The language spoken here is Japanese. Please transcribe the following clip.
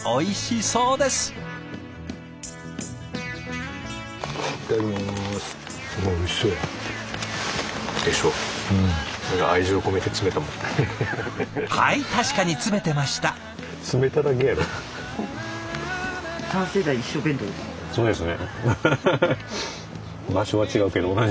そうですね。